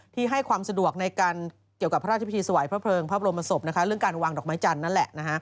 ให้ความสะดวกในการเกี่ยวกับพระราชพิธีถวายพระเพลิงพระบรมศพเรื่องการวางดอกไม้จันทร์นั่นแหละ